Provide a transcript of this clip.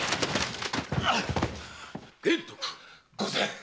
玄徳⁉御前。